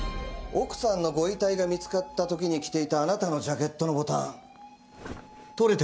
奥さんのご遺体が見つかった時に着ていたあなたのジャケットのボタン取れてましたよ。